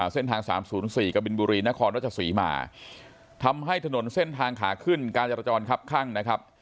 เส้นทาง๓๐๔กบินบุรีนครรัชศรีมาทำให้ถนนเส้นทางขาขึ้นการจราจรครับข้างนะครับ